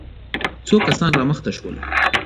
څو کسان را مخته شول.